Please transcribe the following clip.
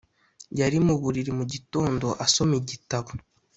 yari mu buriri mugitondo asoma igitabo.